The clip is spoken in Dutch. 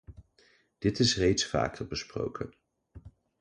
Dit is reeds vaker besproken.